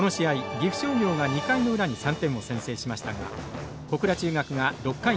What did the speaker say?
岐阜商業が２回の裏に３点を先制しましたが小倉中学が６回に逆転。